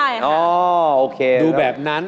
ใช่ค่ะโอเคแล้วดูแบบนั้น